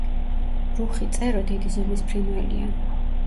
რუხი წერო დიდი ზომის ფრინველია.